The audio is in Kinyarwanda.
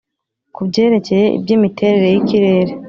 ku byerekeye iby'imiterere y'ikirere,